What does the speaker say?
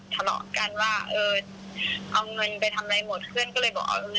ซึ่งหนูก็เหมือนออก